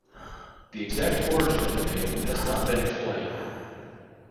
The exact origin of the name has not been explained.